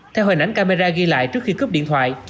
theo hình ảnh camera ghi lại trước khi cướp điện thoại